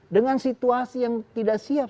dengan situasi yang tidak siap